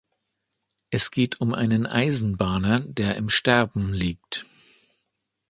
Es geht um einen Eisenbahner, der im Sterben liegt.